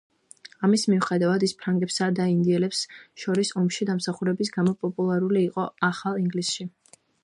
ამის მიუხედავად ის ფრანგებსა და ინდიელებს შორის ომში დამსახურებების გამო პოპულარული იყო ახალ ინგლისში.